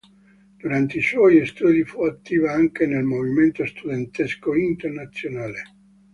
Durante i suoi studi fu attiva anche nel movimento studentesco internazionale.